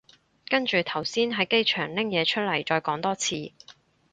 跟住頭先喺機場拎嘢出嚟再講多次